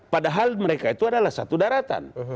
padahal mereka itu adalah satu daratan